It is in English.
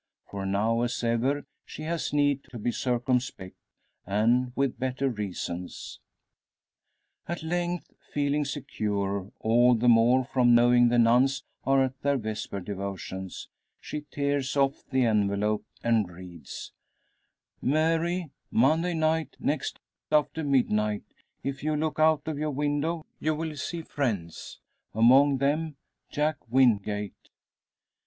For now, as ever, she has need to be circumspect, and with better reasons. At length, feeling secure, all the more from knowing the nuns are at their vesper devotions, she tears off the envelope, and reads: "Mary, Monday night next after midnight if you look out of your window you will see friends; among them: "Jack Wingate."